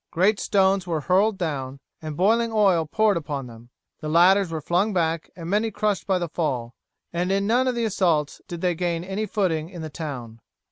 Great stones were hurled down, and boiling oil poured upon them. The ladders were flung back, and many crushed by the fall, and in none of the assaults did they gain any footing in the town.